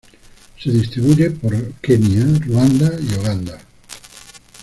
Se distribuye por la Kenia, Ruanda y Uganda.